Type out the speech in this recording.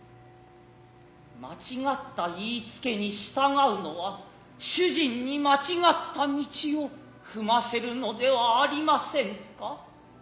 間違つたいひつけに従ふのは主人に間違つた道を踏ませるのではありませんか。